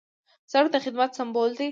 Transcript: سړک د خدمت سمبول دی.